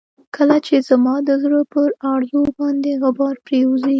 کله چې زما د زړه پر ارزو باندې غبار پرېوځي.